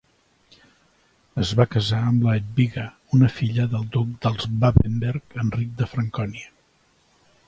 Es va casar amb la Hedwiga, una filla del duc dels Babenberg Enric de Francònia.